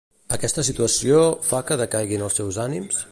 Aquesta situació fa que decaiguin els seus ànims?